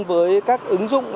với các ứng dụng